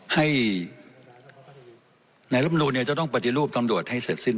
ให้ในรำรุนเนี้ยจะต้องปฏิรูปตำลวดให้เสร็จสิ้น